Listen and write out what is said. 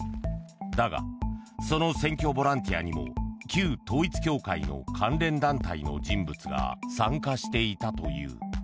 だが、その選挙ボランティアにも旧統一教会の関連団体の人物が参加していたという。